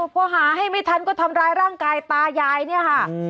พอหาให้ไม่ทันก็ทำร้ายร่างกายตายายเนี่ยค่ะ